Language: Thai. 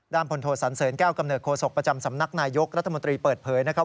พลโทสันเสริญแก้วกำเนิดโศกประจำสำนักนายยกรัฐมนตรีเปิดเผยนะครับ